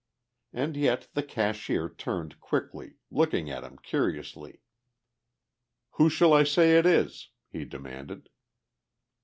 And yet the cashier turned quickly, looking at him curiously. "Who shall I say it is?" he demanded.